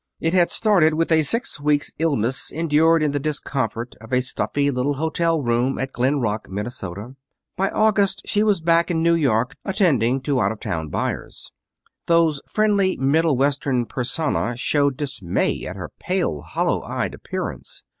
It had started with a six weeks' illness endured in the discomfort of a stuffy little hotel bedroom at Glen Rock, Minnesota. By August she was back in New York, attending to out of town buyers. Those friendly Middle Western persona showed dismay at her pale, hollow eyed appearance.